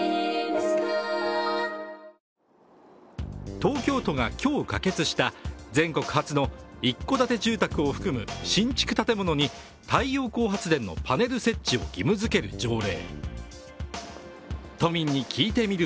東京都が今日、可決した全国初の一戸建て住宅を含む新築建物に太陽光発電のパネル設置を義務づける条例。